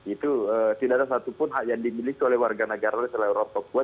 itu tidak ada satupun hak yang dimiliki oleh warga negara selain orang papua